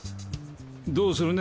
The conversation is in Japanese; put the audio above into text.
どうするね？